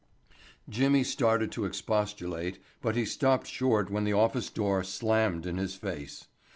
Jimmy started to expostulate, but he stopped short when the office door slammed in his face.